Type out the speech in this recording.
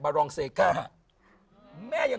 บรางเซก่า